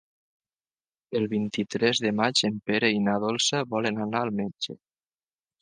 El vint-i-tres de maig en Pere i na Dolça volen anar al metge.